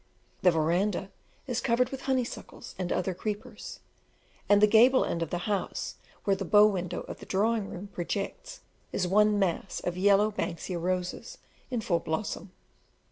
The verandah is covered with honeysuckles and other creepers, and the gable end of the house where the bow window of the drawing room projects, is one mass of yellow Banksia roses in full blossom.